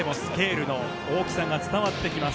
これだけでもスケールの大きさが伝わってきます。